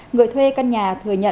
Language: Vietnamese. người thuê căn nhà thừa nhận